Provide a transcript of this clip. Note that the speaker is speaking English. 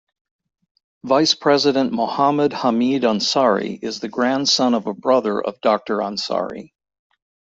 Vice President Mohammad Hamid Ansari is the grandson of a brother of Doctor Ansari.